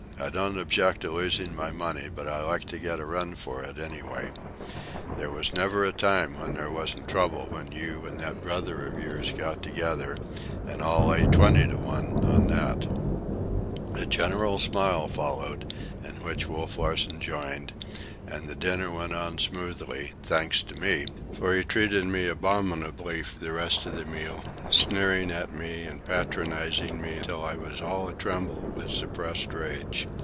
"I don't object to losing my money, but I like to get a run for it anyway. There never was a time when there wasn't trouble when you and that brother of yours got together, and I'll lay twenty to one on that." A general smile followed, in which Wolf Larsen joined, and the dinner went on smoothly, thanks to me, for he treated me abominably the rest of the meal, sneering at me and patronizing me till I was all a tremble with suppressed rage.